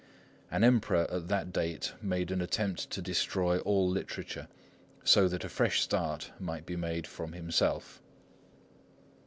An Emperor at that date made an attempt to destroy all literature, so that a fresh start might be made from himself.